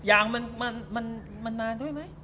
อย่างมันมาด้วยไหม